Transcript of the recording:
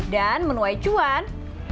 dan menu icuan